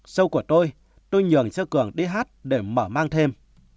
sau của tôi tôi nhường cho cường đi hát để mở mang thêm